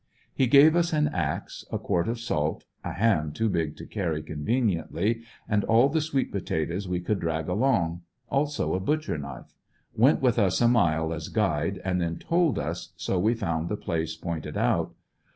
He gave us an axe, a quart of salt, a ham too big to carry conveniently, and all the sweet potatoes we could drag along; also a butcher knife. Went with us a mile as guide and then told us so we found the place point ed out.